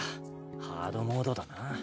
ハードモードだな。